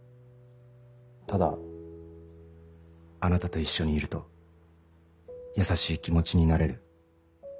ただあなたと一緒にいると優しい気持ちになれる。